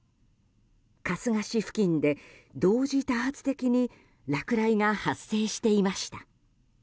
春日市付近で同時多発的に落雷が発生していました。